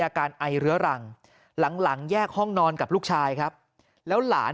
อาการไอเรื้อรังหลังหลังแยกห้องนอนกับลูกชายครับแล้วหลาน